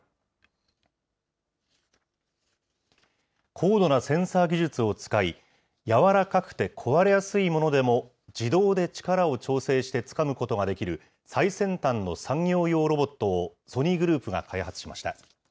高度なセンサー技術を使い、柔らかくて壊れやすいものでも自動で力を調整してつかむことができる、最先端の産業用ロボットを、ソニーグループが開発しました。